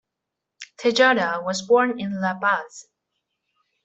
Tejada was born in La Paz.